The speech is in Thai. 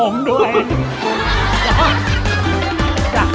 ไม่รู้จะปั้งล่ะ